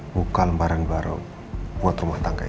buka lembaran baru buat rumah tangga ya